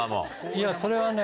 いやそれはね。